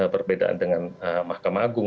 perbedaan dengan mahkamah agung